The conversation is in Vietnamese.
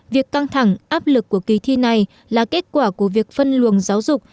việc căng thẳng áp lực của kỳ thi này là kết quả của việc phân luồng giáo dục